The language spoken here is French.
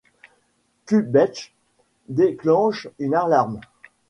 Kubesch déclenche une alarme.